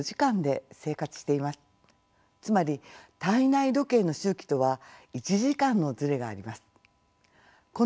つまり体内時計の周期とは１時間のズレがあります。